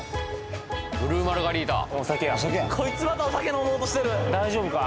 ブルーマルガリータお酒やこいつまたお酒飲もうとしてる大丈夫か？